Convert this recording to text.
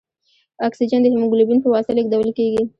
اکسیجن د هیموګلوبین په واسطه لېږدوال کېږي.